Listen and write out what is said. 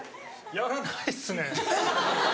やらないっすね。